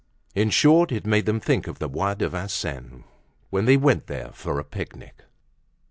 In short, it made them think of the Bois de Vincennes when they went there for a picnic.